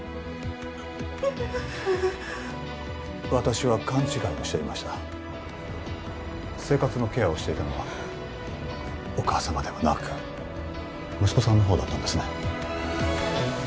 うう私は勘違いをしていました生活のケアをしていたのはお母様ではなく息子さんの方だったんですね